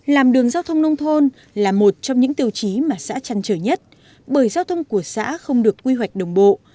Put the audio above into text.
làm đường giao thông nông thôn là một trong những tiêu chí mà xã trăn trở nhất bởi giao thông của xã không được quy hoạch đồng bộ